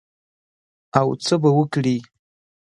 او څه به وکړې؟